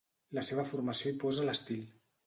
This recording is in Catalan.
La seva formació hi posa l'estil.